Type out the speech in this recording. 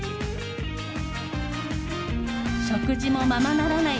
食事もままならない